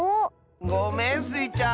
ごめんスイちゃん。